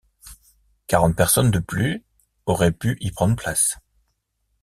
Quarante personnes de plus auraient pu y prendre place.